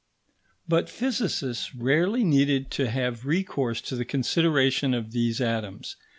But physicists rarely needed to have recourse to the consideration of these atoms.